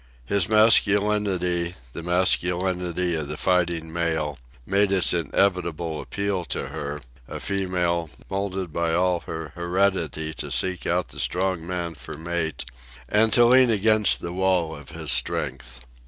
His masculinity, the masculinity of the fighting male, made its inevitable appeal to her, a female, moulded by all her heredity to seek out the strong man for mate, and to lean against the wall of his strength.